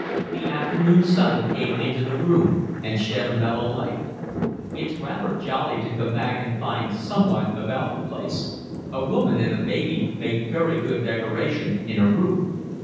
The afternoon sun came into the room and shed a mellow light. "It's rather jolly to come back and find someone about the place. A woman and a baby make very good decoration in a room."